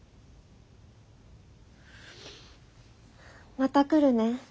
また来るね。